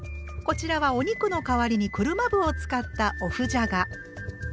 こちらはお肉の代わりに車麩を使ったお麩じゃが。